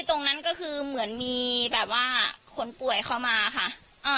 ตรงนั้นก็คือเหมือนมีแบบว่าคนป่วยเข้ามาค่ะอ่า